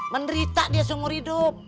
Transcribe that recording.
menderita dia seumur hidup